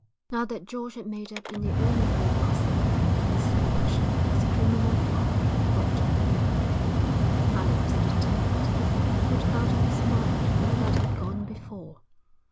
Now that George had made up in the only way possible for the misfortune his criminal folly had brought upon them, Alec was determined to put out of his mind all that had gone before.